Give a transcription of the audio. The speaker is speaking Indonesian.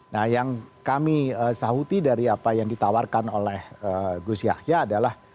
nah yang kami sahuti dari apa yang ditawarkan oleh gus yahya adalah